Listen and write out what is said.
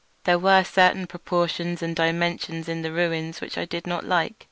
There were certain proportions and dimensions in the ruins which I did not like.